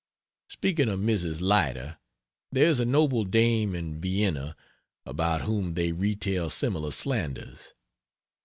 Speaking of Mrs. Leiter, there is a noble dame in Vienna, about whom they retail similar slanders.